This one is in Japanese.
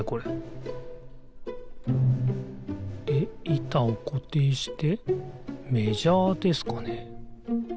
いたをこていしてメジャーですかね？